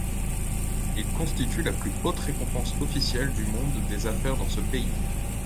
Ils constituent la plus haute récompense officielle du monde des affaires dans ce pays.